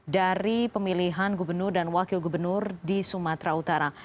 dari pemilihan gubernur dan wakil gubernur di sumatera utara